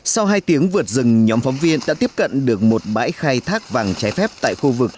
sau hai tiếng vượt rừng nhóm phóng viên đã tiếp cận được một bãi khai thác vàng trái phép tại khu vực